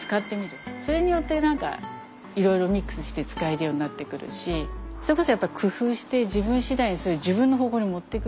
それによってなんかいろいろミックスして使えるようになってくるしそれこそ工夫して自分次第にそれを自分の方向に持ってくる。